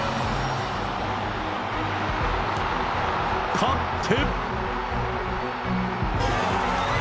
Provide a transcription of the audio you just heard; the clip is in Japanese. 勝って。